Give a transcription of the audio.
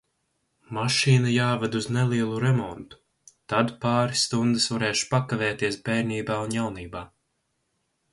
Mašīna jāved uz nelielu remontu, tad pāris stundas varēšu pakavēties bērnībā un jaunībā.